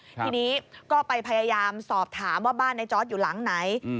ทีนี้ก็ไปพยายามสอบถามว่าบ้านในจอร์ดอยู่หลังไหน